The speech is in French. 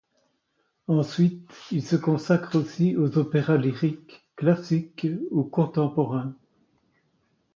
Ensuite, il se consacre aussi aux opéras lyriques, classiques ou contemporains.